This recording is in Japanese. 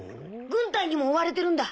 軍隊にも追われてるんだ。